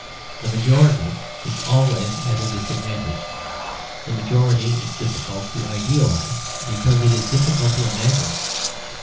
The majority is always at a disadvantage; the majority is difficult to idealise, because it is difficult to imagine.